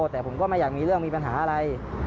แต่ผมก็ไม่อยากมีเรื่องมีปัญหาอะไร